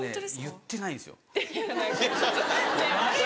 言ってないんですよマジで。